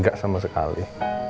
gak sama sekali